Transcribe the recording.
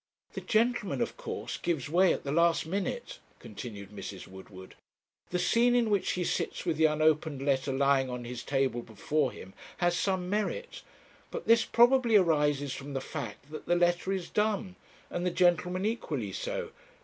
'The gentleman, of course, gives way at the last minute,' continued Mrs. Woodward. 'The scene in which he sits with the unopened letter lying on his table before him has some merit; but this probably arises from the fact that the letter is dumb, and the gentleman equally so.'